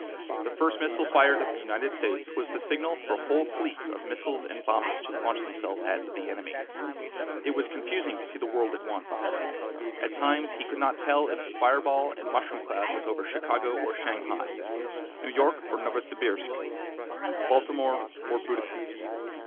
The first missile fired at the United States was the signal for whole fleets of missiles and bombers to launch themselves at the Enemy. It was confusing to see the world at once; at times he could not tell if the fireball and mushroom cloud was over Chicago or Shanghai, New York or Novosibirsk, Baltimore or Budapest.